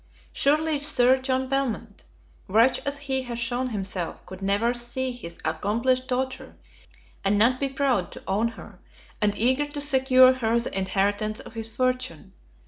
Surely Sir John Belmont, wretch as he has shown himself, could never see his accomplished daughter, and not be proud to own her, and eager to secure her the inheritance of his fortune.